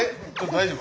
大丈夫？